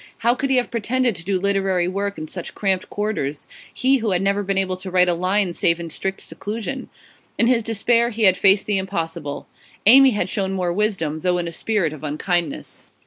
How could he have pretended to do literary work in such cramped quarters, he who had never been able to write a line save in strict seclusion? In his despair he had faced the impossible. Amy had shown more wisdom, though in a spirit of unkindness.